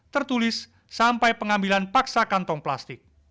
tertulis sampai pengambilan paksa kantong plastik